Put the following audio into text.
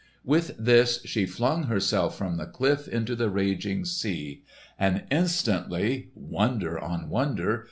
With this she flung herself from the cliff into the raging sea. And instantly—wonder on wonder!